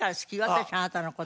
私あなたの事。